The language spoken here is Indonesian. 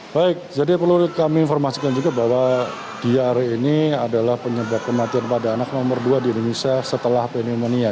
baik jadi perlu kami informasikan juga bahwa diare ini adalah penyebab kematian pada anak nomor dua di indonesia setelah pneumonia